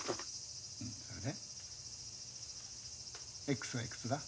Ｘがいくつだ？